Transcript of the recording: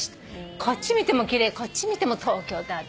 こっち見ても奇麗こっち見ても東京タワー。